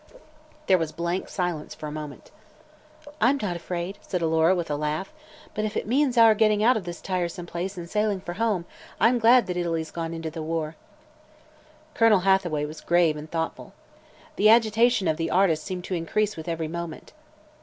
There was blank silence for a moment. "I'm not afraid," said Alora, with a laugh, "but if it means our getting out of this tiresome place and sailing for home, I'm glad that Italy's gone into the war." Colonel Hathaway was grave and thoughtful. The agitation of the artist seemed to increase with every moment.